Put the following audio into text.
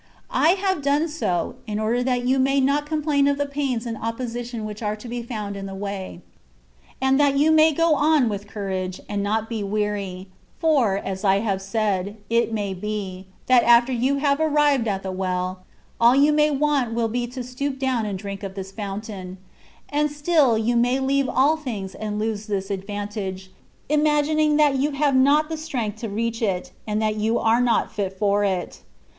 I have done so, in order that you may not complain of the pains and opposition which are to be found in the way, and that you may go on with courage, and not be weary ; for (as I have said) it may be, that after you have arrived at the well, all you may want will be to stoop down and drink at this fountain ; and still you may leave all things and lose this advantage, imagining that you have not strength to reach it, and that you are not fit for it.